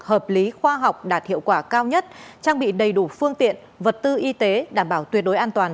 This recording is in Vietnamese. hợp lý khoa học đạt hiệu quả cao nhất trang bị đầy đủ phương tiện vật tư y tế đảm bảo tuyệt đối an toàn